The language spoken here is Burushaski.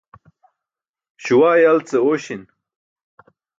Śuwaa yal ce oośin.